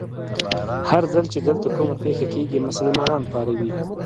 هر ځل چې دلته کومه پېښه کېږي، مسلمانان پاروي.